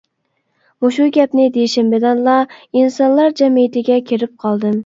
مۇشۇ گەپنى دېيىشىم بىلەنلا ئىنسانلار جەمئىيىتىگە كىرىپ قالدىم.